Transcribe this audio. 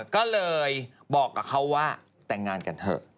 ก็เลยบอกกับเขาว่าแต่งงานกันเถอะ